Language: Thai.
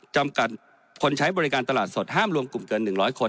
จำกัดคนใช้บริการตลาดสดห้ามรวมกลุ่มเกิน๑๐๐คน